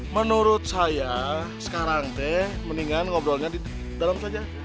menurut saya sekarang teh mendingan ngobrolnya di dalam saja